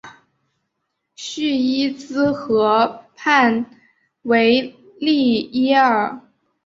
叙伊兹河畔维利耶尔。